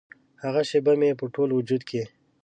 هغه شیبه مې په ټول وجود کې